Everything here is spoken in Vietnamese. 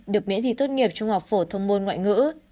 được miễn thi tốt nghiệp trung học phổ thông môn ngoại ngữ